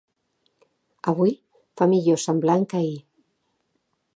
Avui fa millor semblant que ahir.